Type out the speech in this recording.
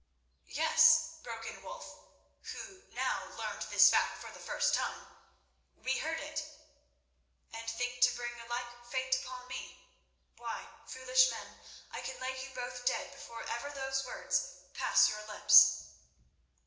"Yes," broke in Wulf, who now learned this fact for the first time, "we heard that." "And think to bring a like fate upon me. Why, foolish men, I can lay you both dead before ever those words pass your lips."